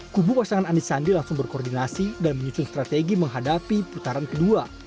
kubu pasangan anis sandi langsung berkoordinasi dan menyusun strategi menghadapi putaran kedua